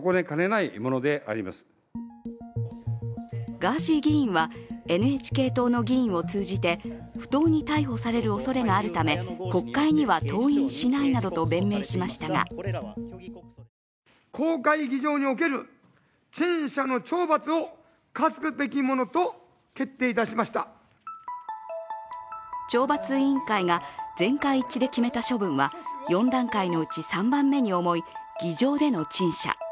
ガーシー議員はＮＨＫ党の議員を通じて不当に逮捕されるおそれがあるため国会には登院しないなどと弁明しましたが懲罰委員会が全会一致で決めた処分は４段階のうち３番目に重い議場での陳謝。